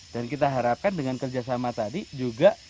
dan kita harapkan dengan kerjasama tadi juga